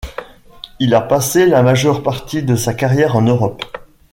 Il a passé la majeure partie de sa carrière en Europe.